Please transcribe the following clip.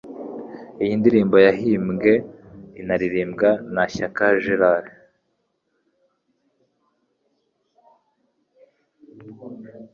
iyi ndirimbo yahimbwe inaririmbwa na Shyaka Gerard.